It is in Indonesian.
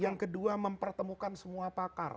yang kedua mempertemukan semua pakar